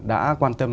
đã quan tâm